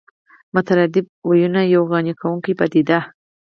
مترادف ويونه يوه غني کوونکې پدیده